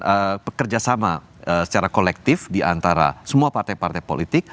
ada pekerja sama secara kolektif di antara semua partai partai politik